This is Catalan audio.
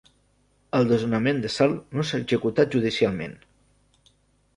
El desnonament de Salt no s'ha executat judicialment.